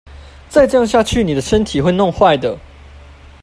再這樣下去妳身體會弄壞的